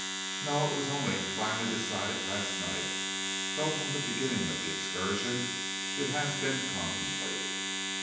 "No! It was only finally decided last night; though from the beginning of the excursion it has been contemplated.